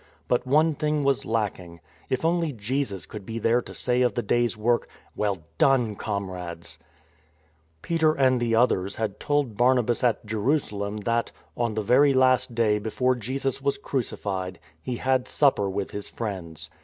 But one thing was lacking. If only Jesus could be there to say of the day's work :" Well done, comrades !" Peter and the others had told Barnabas at Jerusalem that — on. the very last day before Jesus was crucified — He had supper with His friends.